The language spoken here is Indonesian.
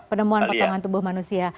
penemuan potongan tubuh manusia